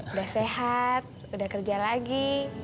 udah sehat udah kerja lagi